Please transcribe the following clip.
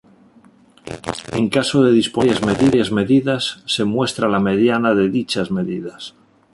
En caso de disponer de varias medidas, se muestra la mediana de dichas medidas.